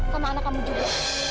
sama anak kamu juga